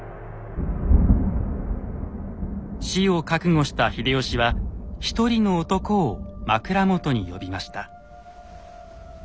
死を覚悟した秀吉は一人の男を枕元に呼びました。